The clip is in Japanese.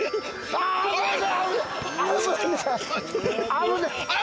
危ない！